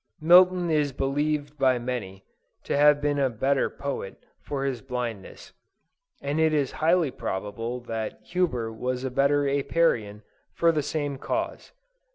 Milton is believed by many, to have been a better poet, for his blindness; and it is highly probable that Huber was a better Apiarian, for the same cause.